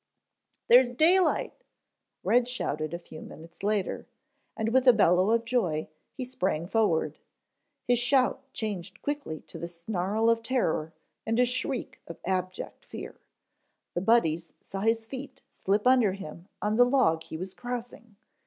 "There's daylight," Red shouted a few minutes later, and with a bellow of joy, he sprang forward. His shout changed quickly to the snarl of terror, and a shriek of abject fear. The Buddies saw his feet slip from under him on the log he was crossing.